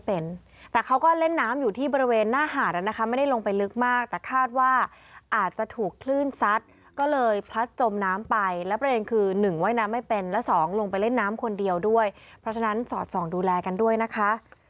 เพราะฉะนั้นสอดส่องดูแลกันด้วยนะคะ